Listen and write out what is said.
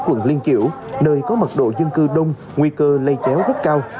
quận liên kiểu nơi có mật độ dân cư đông nguy cơ lây chéo rất cao